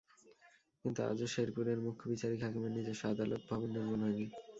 কিন্তু আজও শেরপুরের মুখ্য বিচারিক হাকিমের নিজস্ব আদালত ভবন নির্মাণ হয়নি।